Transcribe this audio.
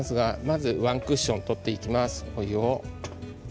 ワンクッション取っていきます。